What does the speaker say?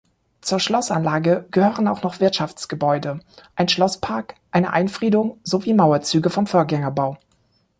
Zur Schlossanlage gehören auch noch Wirtschaftsgebäude, ein Schlosspark, eine Einfriedung sowie Mauerzüge vom Vorgängerbau.